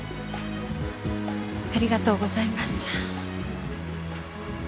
ありがとうございます。